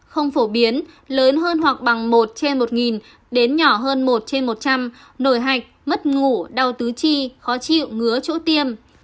không phổ biến lớn hơn hoặc bằng một trên một đến nhỏ hơn một trên một trăm linh nổi hạch mất ngủ đau tứ chi khó chịu ngứa chỗ tiêm